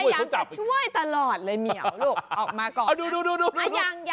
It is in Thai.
อยากจะช่วยตลอดเลยเหมียวลูกออกมาก่อนยัง